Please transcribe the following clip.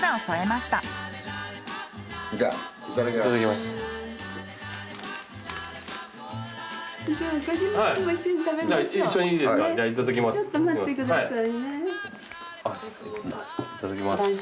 いただきます。